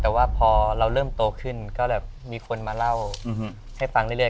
แต่ว่าพอเราเริ่มโตขึ้นก็แบบมีคนมาเล่าให้ฟังเรื่อย